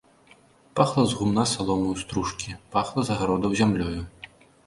Пахлі з гумна смалою стружкі, пахла з агародаў зямлёю.